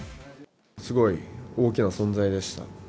すごい大きな存在でした。